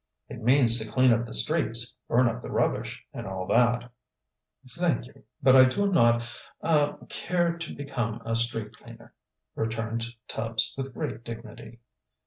"It means to clean up the streets, burn up the rubbish, and all that." "Thank you, but I do not ah care to become a street cleaner," returned Tubbs, with great dignity.